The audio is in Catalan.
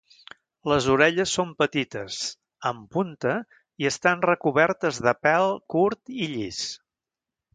Les orelles són petites, en punta i estan recobertes de pèl curt i llis.